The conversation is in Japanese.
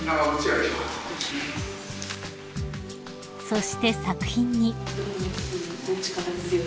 ［そして作品に］